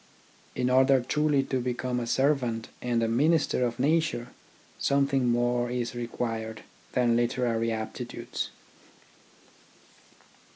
In order truly to become a servant and a minister of nature something more is required than literary aptitudes.